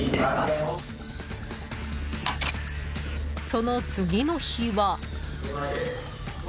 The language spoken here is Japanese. その次の日は。